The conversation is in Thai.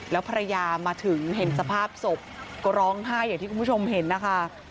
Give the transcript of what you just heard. แล้วภรรยามาถึงเห็นสภาพศพก็ร้องไห้อย่างที่คุณผู้ชมเห็นนะคะ